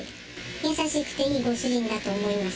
優しくて、いいご主人だと思います。